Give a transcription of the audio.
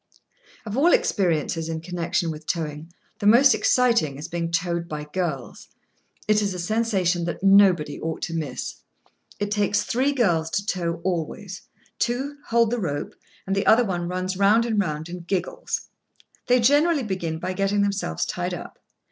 Of all experiences in connection with towing, the most exciting is being towed by girls. It is a sensation that nobody ought to miss. It takes three girls to tow always; two hold the rope, and the other one runs round and round, and giggles. They generally begin by getting themselves tied up.